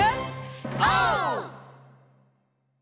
オー！